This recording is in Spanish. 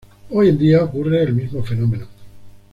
Hoy en día ocurre el mismo fenómeno.